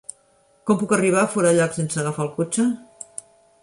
Com puc arribar a Forallac sense agafar el cotxe?